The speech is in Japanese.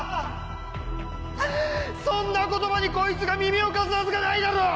そんな言葉にこいつが耳を貸すはずがないだろう！